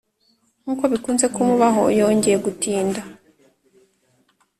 nkuko bikunze kumubaho, yongeye gutinda.